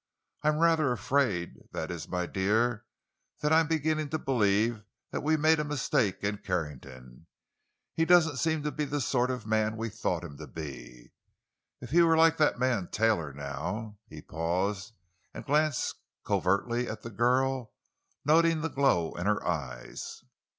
I am rather afraid—that is, my dear, I am beginning to believe we made a mistake in Carrington. He doesn't seem to be the sort of man we thought him to be. If he were like that man Taylor, now——" He paused and glanced covertly at the girl, noting the glow in her eyes.